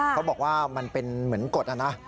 เขาบอกว่ามันเป็นเหมือนกฎนะนะ